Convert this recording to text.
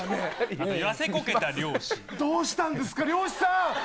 あと、どうしたんですか、漁師さん。